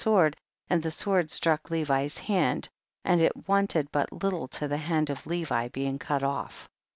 sword, and the sword struck Levi's hand, and it wanted but little to the hand of Levi being cut off.